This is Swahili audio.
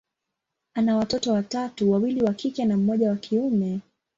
ana watoto watatu, wawili wa kike na mmoja wa kiume.